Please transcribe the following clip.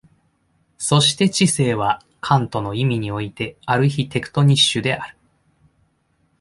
そして知性はカントの意味においてアルヒテクトニッシュである。